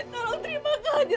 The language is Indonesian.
tolong terima kasih